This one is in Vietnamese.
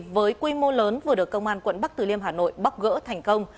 với quy mô lớn vừa được công an quận bắc từ liêm hà nội bóc gỡ thành công